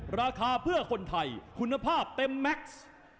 ราคาเพื่อคนไทยคุณภาพเต็มแม็กซ์